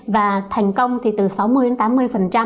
và thành công thì từ sáu mươi đến tám mươi